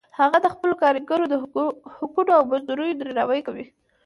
هغه د خپلو کاریګرو د حقونو او مزدوریو درناوی کوي